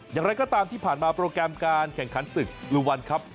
อย่างไรก็ตามที่ผ่านมาโปรแกรมการแข่งขันศึกลูวันครับ